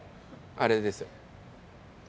あれですよ。